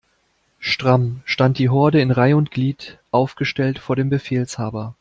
Stramm stand die Horde in Reih' und Glied aufgestellt vor dem Befehlshaber.